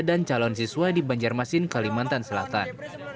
dan calon siswa di banjarmasin kalimantan selatan